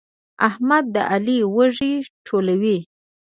احمد د علي وږي ټولوي.